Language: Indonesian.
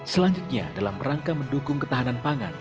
selanjutnya dalam rangka mendukung ketahanan pangan